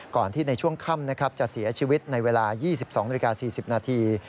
ก่อนที่ในช่วงค่ำจะเสียชีวิตในเวลา๒๒น๔๐นาที